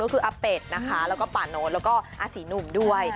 ก็คืออาเป็ดนะคะแล้วก็ป่าโน้ตแล้วก็อาศีหนุ่มด้วย